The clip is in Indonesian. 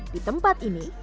di tempat ini